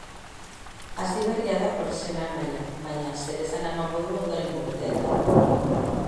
Hasiberria da profesional mailan, baina zeresana emango du ondorengo urteetan.